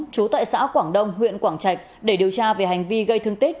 trú tại xã quảng đông huyện quảng trạch để điều tra về hành vi gây thương tích